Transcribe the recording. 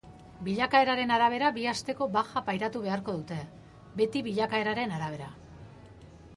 Bilakaeraren arabera bi asteko baja pairatu beharko dute, beti bilakaeraren arabera.